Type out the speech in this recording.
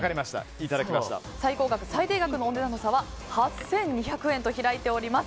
最高額、最低額のお値段の差は８２００円と開いております。